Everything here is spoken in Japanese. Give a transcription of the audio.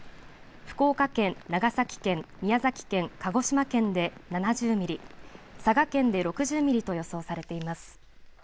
福岡県、長崎県、宮崎県鹿児島県で７０ミリ佐賀県で６０ミリと予想されています。